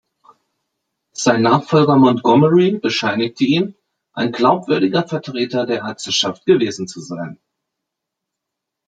Sein Nachfolger Montgomery bescheinigte ihm, „ein glaubwürdiger Vertreter der Ärzteschaft gewesen“ zu sein.